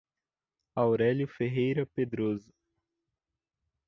Aurelio Ferreira Pedroso